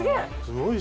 「すごい。